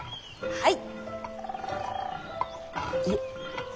はい。